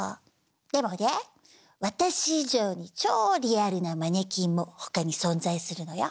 でもね私以上に超リアルなマネキンもほかに存在するのよ！